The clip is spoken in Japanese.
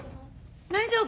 大丈夫？